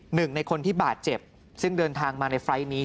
หนึ่งในคนที่บาดเจ็บซึ่งเดินทางมาในไฟล์ทนี้